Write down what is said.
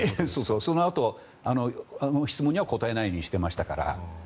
そのあとの質問には答えないようにしていましたから。